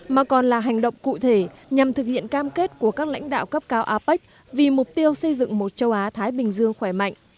mà còn là hành động cụ thể nhằm thực hiện cam kết của các lãnh đạo cấp cao apec vì mục tiêu xây dựng một châu á thái bình dương khỏe mạnh